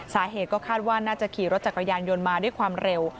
สาเหตุก็คาดว่าน่าจะขี่รถจักรยานยนต์มาด้วยความเร็ว